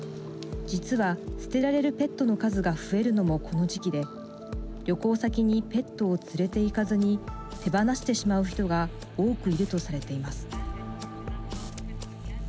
実は、捨てられるペットの数が増えるのもこの時期で旅行先にペットを連れて行かずに手放してしまう人が多くいるとされています。